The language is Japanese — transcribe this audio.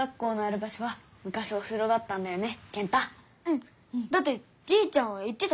だってじいちゃんは言ってたし。